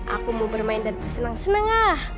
aku mau bermain dan bersenang senangah